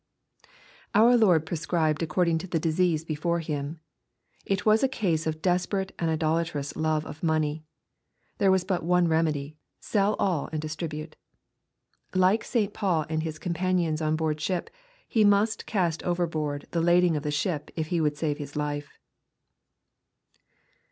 Our Lord prescribed according to the disease before him. It was a case or desperate and idolatrous love of money. There was but one remedy^^^^^^Tl all and distribute." Like St. Paul and his companions qa board ship, he must cast overboard the lading of the ship if he would save his life.